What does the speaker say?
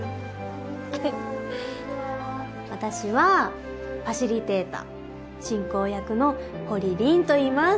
私はファシリテーター進行役の堀凛といいます。